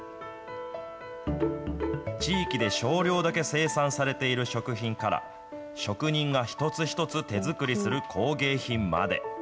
地域で少量だけ生産されている食品から、職人が一つ一つ手作りする工芸品まで。